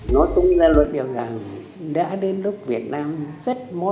nó tung ra luật điều rằng đã đến lúc việt nam z một